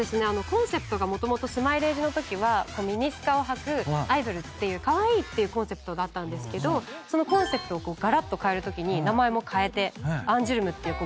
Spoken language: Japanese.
コンセプトがもともとスマイレージのときはミニスカをはくアイドルカワイイっていうコンセプトがあったんですけどそのコンセプトをがらっと変えるときに名前も変えてアンジュルムっていう